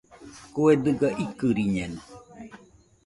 Kue dɨga ikɨriñeno.